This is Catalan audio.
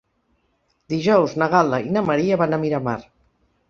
Dijous na Gal·la i na Maria van a Miramar.